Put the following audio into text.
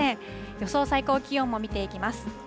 予想最高気温も見ていきます。